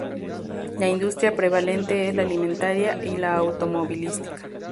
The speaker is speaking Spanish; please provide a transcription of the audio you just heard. La industria prevalente es la alimentaria y la automovilística.